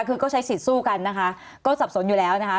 คือก็ใช้สิทธิ์สู้กันนะคะก็สับสนอยู่แล้วนะคะ